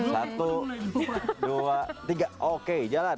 satu dua tiga oke jalan